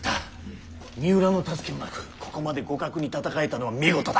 三浦の助けもなくここまで互角に戦えたのは見事だ。